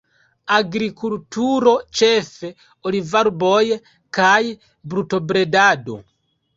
Agrikulturo, ĉefe olivarboj, kaj brutobredado.